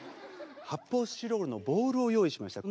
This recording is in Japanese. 発泡スチロールのボールを用意しました。